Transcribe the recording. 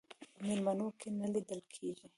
په میلمنو کې نه لیدل کېږي.